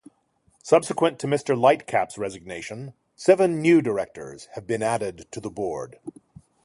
Subsequent to Mr. Lightcap's resignation, seven new directors have been added to the board.